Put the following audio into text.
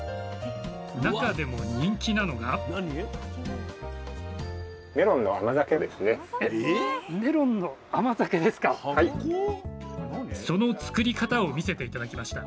中でも人気なのがその作り方を見せて頂きました。